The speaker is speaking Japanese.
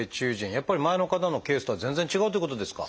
やっぱり前の方のケースとは全然違うということですか。